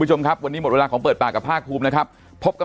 คุณผู้ชมครับวันนี้หมดเวลาของเปิดปากกับภาคภูมินะครับพบกับ